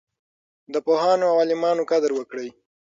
د پوهانو او عالمانو قدر وکړئ.